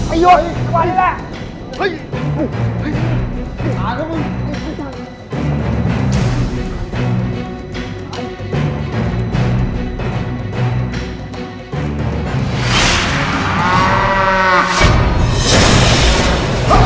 ไอโยควายเลยล่ะ